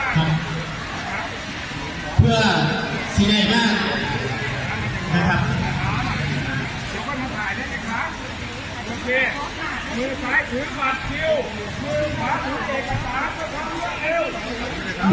ของเพื่อสีใดมากนะครับ